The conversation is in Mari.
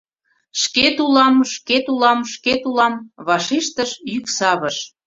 — Шкет улам… шкет улам… шкет улам… — вашештыш йӱксавыш.